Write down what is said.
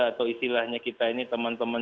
atau istilahnya kita ini teman teman